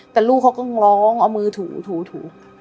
แต่ลูกเขาก็ร้องเอามือถูถู